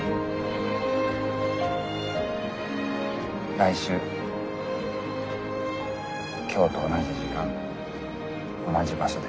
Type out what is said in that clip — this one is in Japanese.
来週今日と同じ時間同じ場所で。